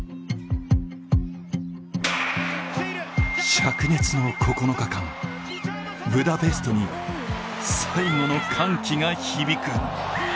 しゃく熱の９日間、ブダペストに最後の歓喜が響く。